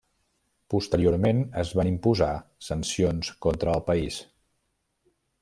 Posteriorment, es van imposar sancions contra el país.